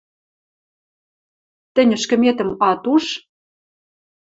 Тӹнь ӹшкӹметӹм ат уж?!